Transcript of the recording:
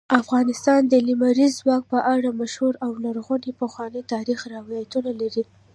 افغانستان د لمریز ځواک په اړه مشهور او لرغوني پخواني تاریخی روایتونه لري.